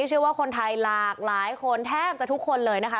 เชื่อว่าคนไทยหลากหลายคนแทบจะทุกคนเลยนะคะ